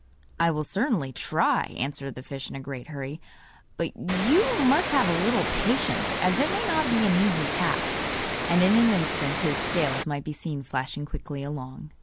'I will certainly try,' answered the fish in a great hurry; 'but you must have a little patience, as it may not be an easy task.' And in an instant his scales might be seen flashing quickly along.